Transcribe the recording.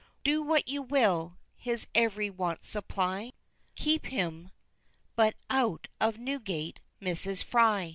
Do what you will, his every want supply, Keep him but out of Newgate, Mrs. Fry!